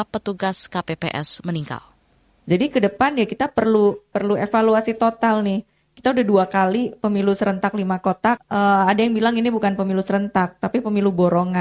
pertama kali kita berkahwin